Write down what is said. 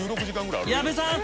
矢部さん！